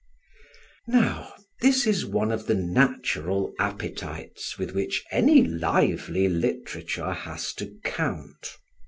Now, this is one of the natural appetites with which any lively literature has to count.